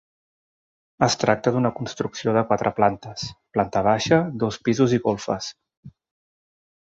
Es tracta d'una construcció de quatre plantes, planta baixa, dos pisos i golfes.